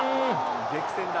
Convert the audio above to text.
激戦だ。